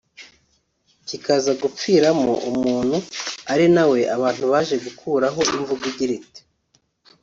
kikaza gupfiramo umuntu ari nawe abantu baje gukomoraho imvugo igira iti